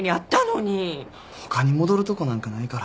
ほかに戻るとこなんかないから。